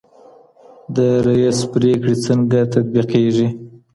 د رییس پريکړي څنګه تطبیقیږي؟